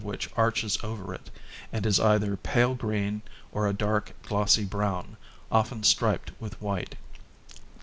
68 which arches over it, and is either pale green or a dark glossy brown, often striped with white.